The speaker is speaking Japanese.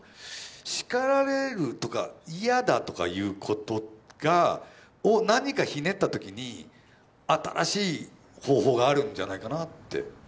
叱られるとか嫌だとかいうことを何かひねった時に新しい方法があるんじゃないかなって。